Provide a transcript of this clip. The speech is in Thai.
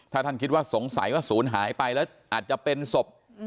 ถ้าท่านคิดว่าสงสัยว่าศูนย์หายไปแล้วอาจจะเป็นศพ